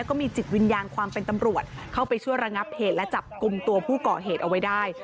ก็มีจิตวิญญาณความเป็นตำรวจเข้าไปช่วยระงับเหตุและจับกลุ่มตัวผู้ก่อเหตุเอาไว้ได้